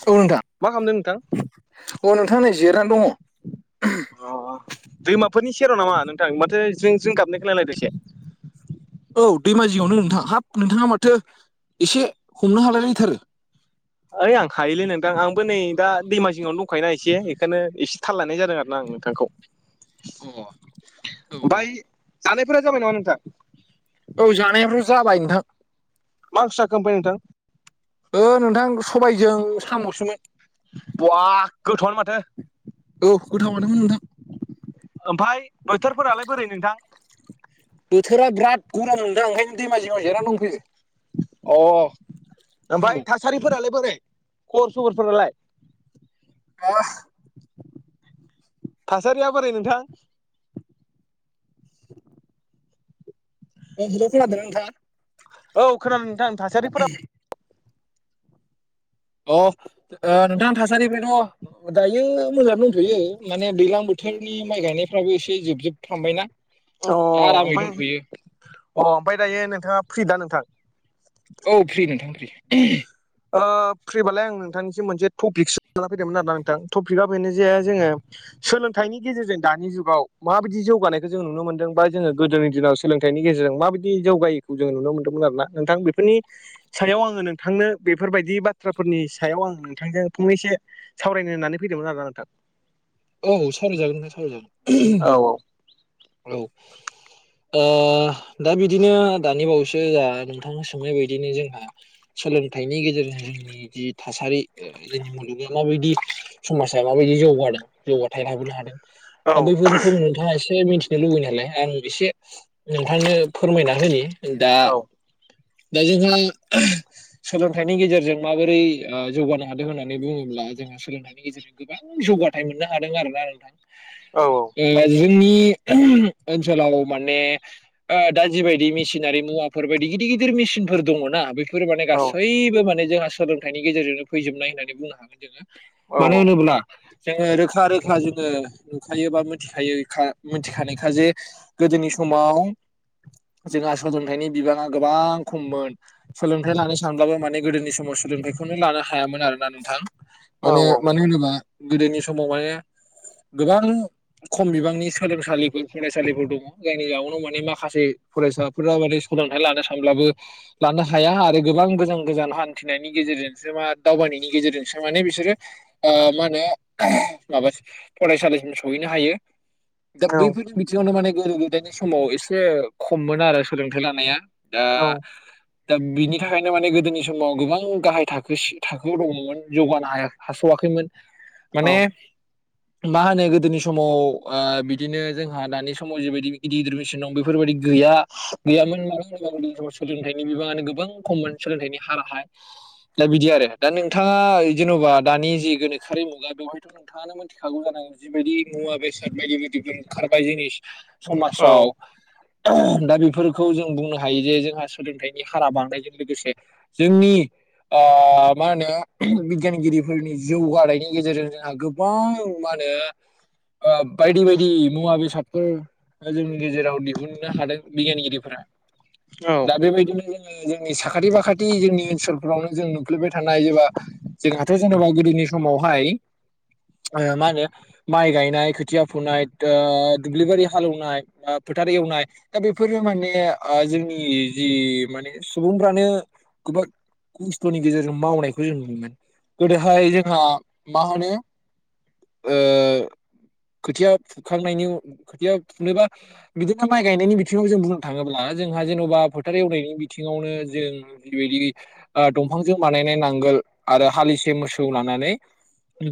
स नोंथां मा खालामदों नोंथां? अ नोंथां नै जिरायनानै दंङ। अ दैमाफोरनि सेराव नामा नोंथां माथो ज्रिं ज्रिं गाबनायखौ नायलायदोससे औ दैमाजियावनो नोंथां हाब नोंथाङा माथो एसे हमनो हालायलायथारो। ओइ आं हायोलै नोंथां आंबो नै दा दैमा जिङावनो दंखायोना एसे बेखायनो एसे थाल लायानाय जादों आरो आं नोंथांखौ अ औ ओमाय जानायफोरा जाबाय नामा नोंथांमोननिफ्राय? औ जानाय ह जाबाय माक्सा कम्पानि नोंथां? ओ नोंथां सबायजों साम'सोमोन। बहाहा गोथावआनो माथो। औव गोथावाआनोमोन नोंथां। ओमफ्राय बोथोरफोरालाय बोरै नोंथां? बोथोरा बिराद गरम मोनदों ओंखायनो दैमा जिंगं आव जिरायना दंहैयो अ ओमफ्राय थासारिफोरालाय बोरै खबर सबरफोरालाय अ थासारिया बोरै नोंथां [inaudible] अ हेलौ खोनादोंना नोंथाङा? औ खोनादों नोंथां थासारिफोरा अ नोंथां थासारिफ्रायथ' दायो मोजां दं नुयो माने दैज्लां बोथोरनि माइ गायनायफ्राबो एसे जोबजोबफ्बायना--' अ ओमफ्राय अ ओमफ्राय दायो नोंथाङा फ्रि दा नोंथां? औ फ्रि नोंथां फ्रि। फिरिबालाय आं नोंथांनिसो मोनसे टपिक सो लाना फैदोंमोन आरो नोंथां टपिकआ बेनो जे जोंङो सोलोंथाइनि गेजेरजों दानि जुगाव माबायदि जौगानायखौ जों नुनो मोनदों बा जोंङो गोदोनि दिनाव सोलोंथाइनि गेजेरजों माबायदि जौगायोखौ जोंङो नुनो मोन्दोंमोन आरोना नोंथां बेफोरनि सायाव आंङो नोंथांनो? बेफोरबायदि बाथ्राफोरनि सायाव आं नोंथां जों फंनैसो सावरायनो होननानै फैदोंमोन आरो ना नोंथां औव सावराय जागोन नोंथां सावराय जागोन। औ औ दा बिदिनो दानि बावैसो सो नोंथांनो सोंनाय बायदिनो जोंहा सोलोंथाइनि गेजेरजों जोंनि जि थासारि जोंनि मुलुगा माबायदि समाजा माबायदि जौगादों जौगाथाय लाबोनो हादों औ दा बैफोर सम नोंथाङा एसे मिथिनो लुबैयो नालाय आं एसे नोंथांनो फोरमायना होनि दा औ दा जोंहा सोलोंथाइनि गेजेरजों माबोरै जौगानो हादों होन्नानै बुङोब्ला? जोंङो सोलोंथाइनि गेजेरजों गोबां जौगाथाय मोननो हादों आरोना नोंथां। औ औ। [unintelligible] ओनसोलाव माने ओ दा जिबायायदि मेसिनारि मुवाफोर बायदि गिदिर गिदिर मेसिनफोर दङना बे बेफोर माने औ गासैबो माने जोंहा सोलोंथाइनि गेजेरजोंनो फैजोबनाय होननानै बुंनो हागोन जोङो। मानो होनोब्ला जोंङो रोखा रोखा जोंङो नुखायो बा मिथिखायों मिथिखानायखा जें गोदोनि समाव जोंहा ससोंथाइनि बिबाङा गोबां खममोन सोलोंथाइ लानो सानब्लाबो माने गोदोनि समाव सोलोंथाइखौनो लानो हायामोन। आरो ना नोंथां। औ माने मानो होनोबा गोदोनि समाव माने गोबां खम बिबांनि सोलोंसालिफोर फरायसालिफोर दंङ जायनि जाउनाव माने माखासे फरायसाफोरा माने सोलोंथाइ लानो सानब्लाबो लानो हाया आरो गोबां गोजान गोजान हान्थिनायनि गेजेरजोंसो मा दावबायनायनि गेजेरजोंसो माने बिसोरो ओ मा होनो माबा फरायसालिसिम सहैनो हायो। दा औ बैफोरनि बियावनो माने गोदो गोदायनि समाव एसे खममोन आरो सोलोंथाइ लानाया दा औ दा बिनि थाखायनो माने गोदोनि समाव गोबां गाहाय थाखोसि थाखोआव दङमोन जौगानो हाया हास'वाखैमोन औ माने मा होनो गोदोनि समाव ओ बिदिनो जोंहा दानि समाव जिबायदि गिदिर गिदिर मेसिन दं बे बेफोर बायदि गैया गैयामोन [unintelligible] [unintelligible] समाव सोलोंथाइनि बिबांङानो गोबां खममोन सोलोंथाइनि हाराहाय दा बिदि आरो। दा नोंथांङा जेनबा दानि जि गोनोखोयारि मुगा [unintelligible] नोंथांङानो मिथिखागौ जानांगोन जिबायदि मुवा बेसाद बायदि बायदि ओंखारबाय जिनिस समाजाव [unintelligible] दा बेफोरखौ जों बुंनो हायो जे जोंहा सोलोंथाइनि हारा बांनायजों लोगोसे जोंनि ओ मा होनो बिगियान गिरिफोरनि जौगानायनि गेजेरजों जोंहा गोबां मा होनो ओ बायदि बायदि मुवा बेसाद फोर जोंनि गेजेराव दिहुननो हादों बिगियानगिरिफोरा। दा बेबायदिनो जों जोंनि साखाथि बाखाथि जोंनि ओनसोलफोरावनो जों बेफोरबो थानो हायोबा जोंहाथ' जेनोबा गोदोनि समावहाय ओ मा होनो माइ गायनाय खोथिया फुनाय [unintelligible] दुब्लिबारि हालेवनाय ओ फोथार एवनाय दा बेफोरो माने ओ जोंनि जि माने सुबुंफ्रानो गोबां खस्थनि गेजेरजों मावनायखौ जों नुनो मोनो। गोदोहाय जोंहा मा होनो ओ खोथिया फुखांनायनि उ खोथिया फुनोबा बिदिखा माइ गायनायनि बिथिंङाव जों बुंनो थांङोब्ला जोंहा जेनबा फोथार एवनायनि बिथिंङावनो जों बेबायदि ओ दंफांजों बानायनाय नांगोल आरो हालिसे मोसौ लानानै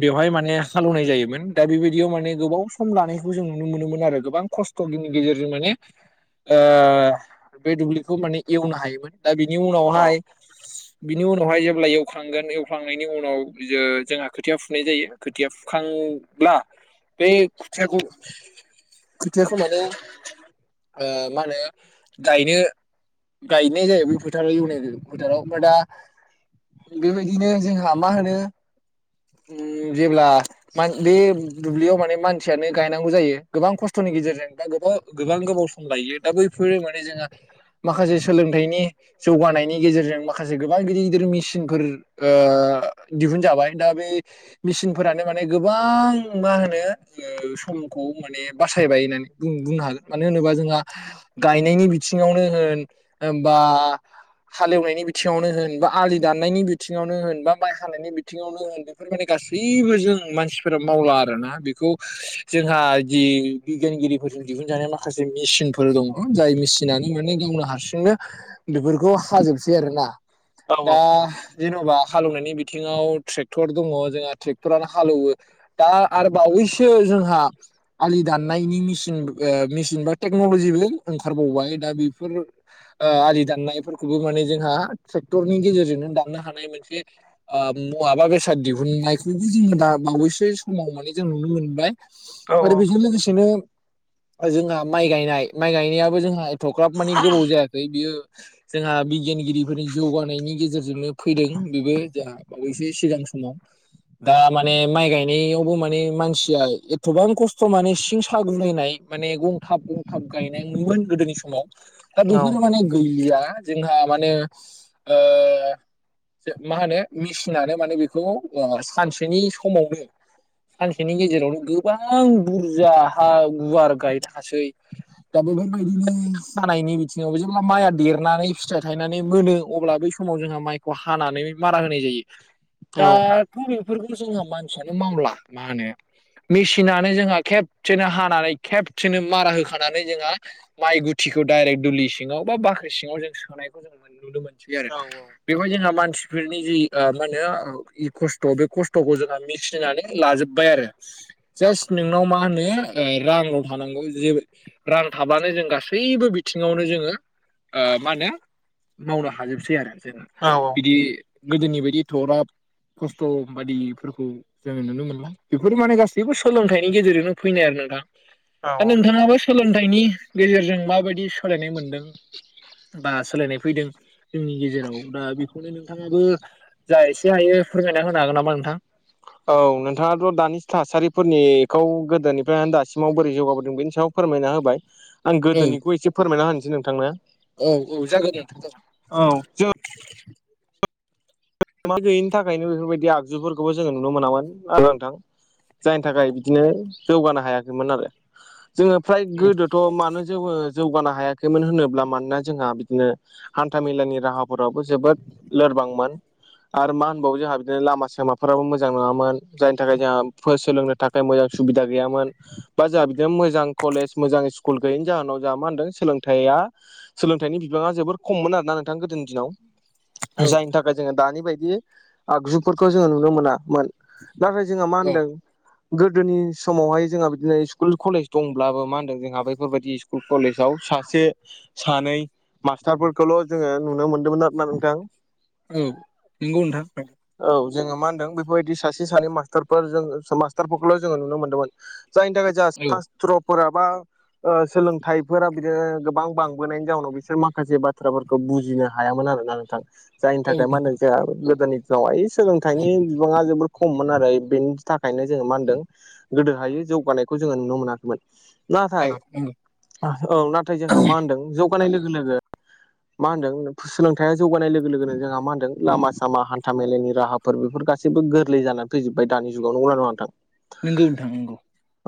बेवहाय माने हालेवनाय जायोमोन दा बेबायदियाव माने गोबाव सम लानायखौ जों नुनो मोनोमोन आरो गोबां खस्थ [unintelligible] गेजेरजों माने ओ बे दुब्लिखौ माने एवनो हायोमोन। दा बिनि उनावहाय बिनि उनावहाय जेब्ला एवख्लांगोन एवख्लांनायनि उनाव जो जोंहा खोथिया फुनाय जायो खोथिया फुखांब्ला बे खोथियाखौ खोथियाखौ माने ओ मा होनो गायनो गायनाय जायो बे फोथार एवनायजों। फोथाराव ओमफ्राय दा बेबायदिनो जोंहा मा होनो उम जेब्ला [unintelligible] दुब्लियाव माने मानसियानो गायनांगौ जायो गोबां खस्थनि गेजेरजों बा गोबाव गोबां गोबाव सम लायो दा बैफोरो माने जोंहा माखासे सोलोंथाइनि जौगानायनि गेजेरजों माखासे गोबां गिदिर गिदिर मेसिनफोर ओ दिहुनजाबाय। दा बे मेसिनफोरानो माने गोबां मा होनो ओ समखौ माने बासायबाय होननानै बुं बुंनो हागोन मानो होनोबा जोंहा गायनायनि बिथिंङावनो होन बा हालेवनायनि बिथिंङावनो होन बा आलि दाननायनि बिथिंङावनो होन बा माइ हानायनि बिथिंङावनो होन बेफोर माने गासैबो जों मानसिफोरा मावला आरोना बेखौ जोंहा जि बिगियान गिरिफोरजों दिहुनजानाय माखासे मेसिनफोर दंङ जाय मेसिनानो माने गावनो हारसिंनो बेफोरखौ हाजोबसै आरोना दा जेनबा हालेवनायनि बिथिंङाव ट्रेक्टर दङ जोंहा ट्रेक्टरानो हालेवो दा आरो बावैसो जोंहा आलि दाननायनि मेसिन मेसिन बा टेक्नलजिबो ओंखारबावबाय दा बेफोर ओ आलि दाननायफोरखौबो माने जोंहा ट्रेक्टरनि गेजेरजोंनो दाननो हानाय मोनसे ओ मुवा‌ बा बेसाद दिहुननायखौबो जोंङो दा बावैसो समाव माने जों नुनो मोनबाय। आरो बिजों लोगोसेनो जोंहा माइ गायनाय माइ गायनायाबो जोंहा एथगाब मानि गोबाव जायाखै बियो जोंहा बिगियानगिरिफोरनि जौगानायनि गेजेरजोंनो फैदों बेबो जोंहा बावैसो सिगां समाव दा माने माइ गायनायावबो माने मानसिया एथबां खस्थ माने सिं सागुलायनाय माने गंथाब गंथाब गायनायमोन गोदोनि समाव दा बेफोराव माने गैलिया। जोंहा माने ओ मा होनो? मेसिनानो माने बेखौ सानसेनि समावनो सानसेनि गेजेरावनो गोबां बुरजा हा गुवार गायनो हासै। दा बेफोरबायदिनो जानायनि बिथिङावबो जेब्ला माइया देरनानै फिथाइ थायनानै मोनो अब्लाबो समाव जोंहा माइखौ हानानै मारा होनाय जायो दा थ बेफोरखौ जोंहा मानसियानो मावला मा होनो मेसिनानो जोंहा खेबसेनो हानानै खेबसेनो मारा होखानानै जोंहा माइ गुथिखौ डाइरेक्ट दुलि सिङाव बा बाख्रि सिङाव जों सोनायखौ जों मोन नुदोंमोन। थिबाय आरो औ बेखौ जोंना मानसि बेफोरनि जि ओ मा होनो खस्थ' बे खस्थ'खौ जोंहा मिसिनानै लाजोब्बाय आरो जास्ट नोंनाव मा होनो ओ रांल' थानांगौ जेबो रां थाब्लानो जों गासैबो बिथिङावनो जोङो मा होनो मावनो हाजोबसै आरो जोङो। औ औ गोदोनि बायदि थराब खस्थ' बादिफोरखौ जोङो नुनो मोनला बेफोर माने गासैबो सोलोंथाइनि गेजेरजोंनो फैनाय आरो नोंथाङा औ दा नोंथाङाबो सोलोंथाइनि गेजेरजों माबायदि सोलायनाय मोनदों? बा सोलायनाय फैदों जोंनि गेजेराव दा बेखौनो नों थांबो जा एसे हायो फोरमायना होनो हागोन नामा नोंथां? औ नोंथाङाथ' दानि थासारिफोरनिखौ गोदोनिफ्राय दासिमाव बोरै जौगाबोदों बेनि सायाव फोरमायना होबाय आं औ गोदोनिखौ एसे फोरमायना होनोसै नोंथांनो। औ औ जागोन दे नोंथां जागोन। औ जोङो [unintelligible] गैयिनि थाखायनो बेफोरबायदि आगजुफोरखौबो जोङो नुनो मोनामोन आरो नोंथां जायनि थाखाय बिदिनो जौगानो हायाखैमोन आरो जोङो फ्राय औ गोदोद थ' मानो जौ जौगानो हायाखैमोन होनोब्ला मानोना जोंहा बिदिनो हान्थामेलानि राहाफोराबो जोबोद लोरबांमोन। आरो मा होनबावो जोंहा बिदिनो लामा सामाफोराबो मोजां नङामोन जायनि थाखाय जोंहा सोलोंनो थाखाय मोजां सुबिदा गैयामोन बा जोंहा बिदिनो मोजां कलेज मोजां स्कुल गैयैनि जाहोनाव जोंहा मा होनदों सोलोंथाइआ सोलोंथाइनि बिबाङा जोबोर खममोन आरो ना नोंथां गोदोनि दिनाव। औ जायनि थाखाय जोङो दानि बायदि आगजुफोरखौ जोङो नुनो मोनामोन। नाथाय जोंहा मा औ औ होनदों? गोदोनि समावहाय जोंहा बिदिनो स्कुल कलेज दंब्लाबो मा होनदों जोंहा बेैफोरबायदि [unintelligible] कलेजाव सासे सानै मास्टारफोरखौल' जोङो नुनो मोनदोंमोन आरो ना नोंथां? औ नंगौ नोंथां। औ जोङो मा होनदों बेफोरबायदि सासे सानै मास्टारफोर मास्टारफोरखौल' जोङो नुनो मोन्दोंमोन जायनि थाखाय जों औ सास्त्रफोरा बा ओ सोलोंथाइफोरा बिदिनो गोबां बांबोनायनि जाउनाव बिसोर माखासे बाथ्राफोरखौ बुजिनो हायामोन आरोना नोंथां जाय औ मा नंगौ होनो जोंहा गोदोनि दिनाव ओइ सोलोंथाइनि बिबाङा जोबोर खममोन आरो बे थाखायनो जोङो मा होनदों गोदोहाय जौगानायखौ जोङो नुनो मोनाखैमोन। औ नाथाय नंगौ औ नाथाय जोंहा मा होनदों जौ जानाय लोगो लोगो मा होनदों सोलोंथाया जौगानाय लोगो लोगोनो जोंहा मा होनदों लामा सामा हान्था मेलायनि राहा फोर बेफोर गासैबो गोरलै जानानै फैजोब्बाय दानि जुगाव नंगौ ना नङा नोंथां? नंगौ नोंथां नंगौ।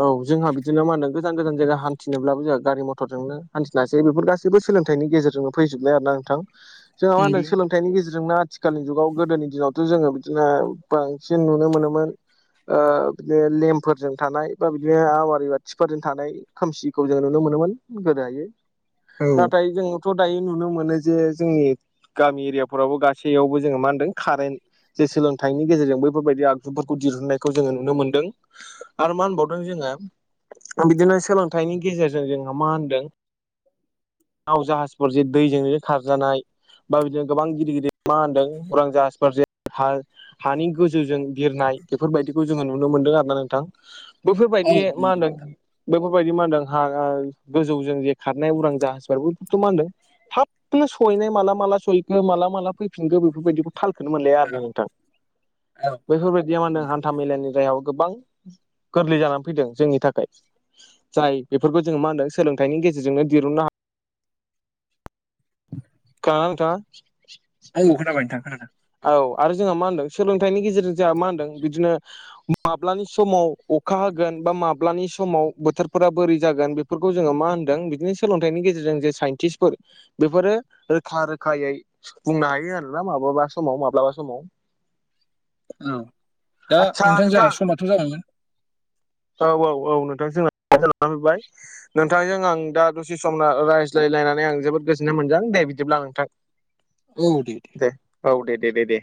औ जोंहा बिदिनो मा होनदों गोजान गोजान जायगा हान्थिनोब्लाबो जोंहा गारि मथरजोंनो हान्थि नासै बेफोर गासैबो सोलोंथाइनि गेजेरजोंनो फैजोबनाय आर ना नोंथां जोंहा मा होनो नंगौ सोलों हेथाइनि गेजेरजोंनो आथिखालनि जुगाव गोदोनि दिनावथ' जोङो बिदिनो बांसिन नुनो मोनोमोन। ओ बिदिनो लेमफोरजों थानाय बा बिदिनो आवारि बाथिफोरजों थानाय खोमसिखौ जोङो नुनो मोनोमोन गोदोहायो औ नाथाय जोंथ' दायो नुनो मोनो जे जोंनि गामि एरिया फोरावबो गासैयावबो जोङो मा होनदों कारेन्ट जे सोलोंथाइनि गेजेरजों बैफोरबायदि आगजुफोरखौ दिहुननायखौ जोङो नुनो मोन्दों। आरो मा होनबावदों जोंङो बिदिनो सोलोंथाइनि गेजेरजों जोंहा मा होनदों नाव जाहाजफोर जे दैजोंनो खारजानाय बा बिदि गोबां गिदिर गिदिर मा होनदों अरां जाहाजफोर जे हा हानि गोजौजों बिरनाय बेफोरबायदिखौ जोंङो नुनो मोनदों आरो ना नोंथां औ बेफोरबायदि नंगौ मा होनदों नोंथां बेफोरबायदि मा होनदों हा गोजौजों जे खारनाय अरां जाहाज बेफोरखौ मा होनदों थाबनो सहैनाय माला माला सहैखो माला माला फैफिनखो बेफोरबायदिखौ थालखौनो मोनलाया आरोना औ नोंथां औ औ बैफोरबायदिया मा नंगौ होनदों नोंथां हान्था मेलानि जायाव गोबां गोरलै जानानै फैदों जोंनि थाखाय जाय बेफोरखौ जों मा होनदों सोलोंथाइनि गेजेरजोंनो दिरुननो हायो। [inaudible] [unintelligible] औ खोनाबाय नोंथां खोनादों औ आरो जोंहा मा होनदों सोलोंथाइनि गेजेरजों जोंहा मा होनदों बिदिनो माब्लानि समाव अखा होगोन बा माब्लानि समाव बोथोरफोरा बोरै जागोन बे फोरखौ जोङो मा होनदों बिदिनो सोलोंथाइनि गेजेरजों जे साइन्टिस्टफोर बेफोरो रोखा रोखायै बुंनो हायो आरोना माब्लाबा समाव माब्लाबा समाव औ दा आदसा नोंथां जोंहा समाथ' जाबायमोन औ-औ-औ नोंथां जोंना समाबो सफैबाय नोंथांजों आं दा दसे सम रायज्लायलायनानै आं जोबोद गोजोननाय मोनदों दे बिदिब्ला नोंथां [inaudible] औ दे दे औ दे दे दे दे